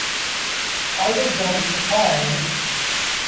آلو جآم سُآ اهيݩ۔